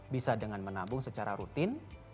bisa dengan menabung secara rutin